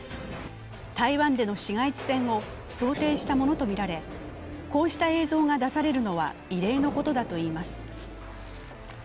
台湾での市街地戦を想定したものとみられこうした映像が出されるのは異例のことだといいます。